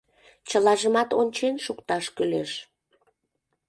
Чылажымат ончен шукташ кӱлеш.